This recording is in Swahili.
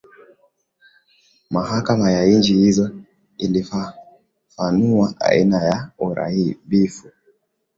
mahakama ya nchi hizo ilifafanua aina ya uharibifu